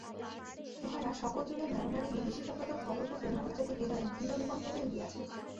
উহারা সকল যুগের নরনারীর বিভীষিকাপ্রদ ভাবরূপে মানবজাতির হৃদয়ে দৃঢ়-নিবদ্ধ হইয়া গিয়াছে।